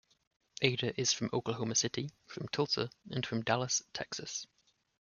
Ada is from Oklahoma City, from Tulsa, and from Dallas, Texas.